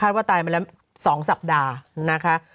ว่าตายมาแล้ว๒สัปดาห์นะคะ